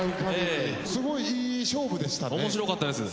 すごいいい勝負でしたね。